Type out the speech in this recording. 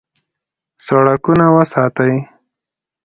سړکونه وساتئ